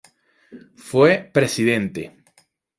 Fue Pte.